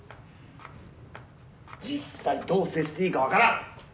・実際どう接していいか分からん。